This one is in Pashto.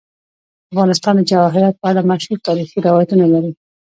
افغانستان د جواهرات په اړه مشهور تاریخی روایتونه لري.